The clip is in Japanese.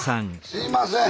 すいません。